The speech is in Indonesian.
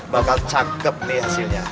bakal cakep nih hasilnya